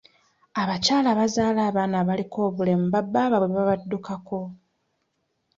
Abakyala abazaala abaana abaliko obulemu ba bbaabwe babaddukako.